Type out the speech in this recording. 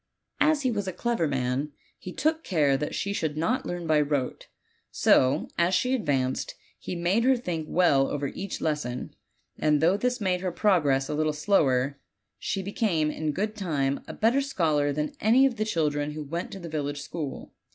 As he was a clever man, he took care that she should not learn by rote; so, as she advanced, he made her think well over each lesson, and though this made her progress a little slower, she became in good time a better scholar than any of the children who went to the village school.